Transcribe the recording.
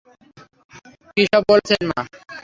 কি সব বলছেন, মা?